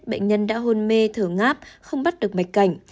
bệnh nhân đã hôn mê thở ngáp không bắt được mạch cảnh